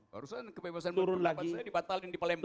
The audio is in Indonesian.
barusan kebebasan berpendapat saya dibatalin di palembang